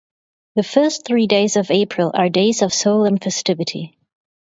The first three days of April are days of solemn festivity.